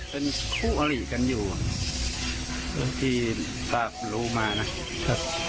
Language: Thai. เป็นคู่อริกันอยู่ที่ภาพรู้มานะครับ